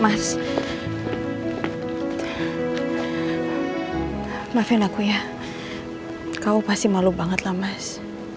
mas maafin aku ya kau pasti malu banget lah mas